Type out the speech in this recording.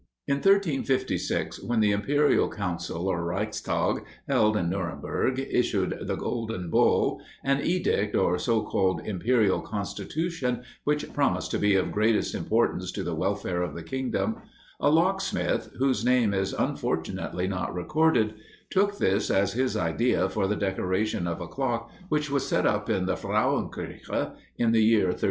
In 1356, when the Imperial Council, or Reichstag, held in Nuremberg, issued the Golden Bull, an edict or so called "imperial constitution" which promised to be of greatest importance to the welfare of the kingdom, a locksmith, whose name is unfortunately not recorded, took this as his idea for the decoration of a clock which was set up in the Frauenkirche in the year 1361.